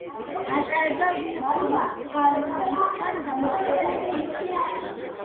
ატარებდა პორტუგალიისაგან დამოუკიდებელ პოლიტიკას.